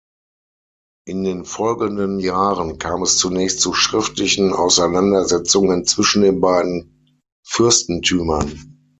In den folgenden Jahren kam es zunächst zu schriftlichen Auseinandersetzungen zwischen den beiden Fürstentümern.